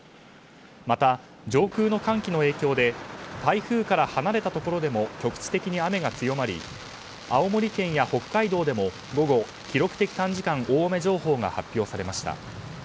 また、上空の寒気の影響で台風から離れたところでも局地的に雨が強まり青森県や北海道でも午後、記録的短時間大雨情報が発表されました。